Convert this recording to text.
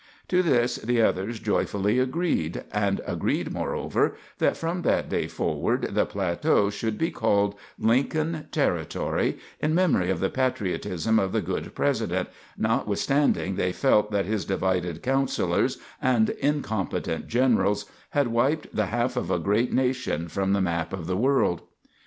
To this the others joyfully agreed, and agreed, moreover, that from that day forward the plateau should be called Lincoln Territory in memory of the patriotism of the good President, notwithstanding they felt that his divided counselors and incompetent generals had wiped the half of a great nation from the map of the world.